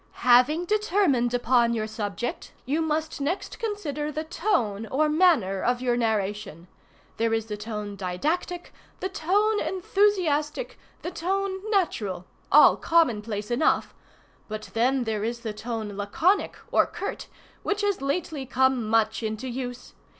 "Having determined upon your subject, you must next consider the tone, or manner, of your narration. There is the tone didactic, the tone enthusiastic, the tone natural—all commonplace enough. But then there is the tone laconic, or curt, which has lately come much into use.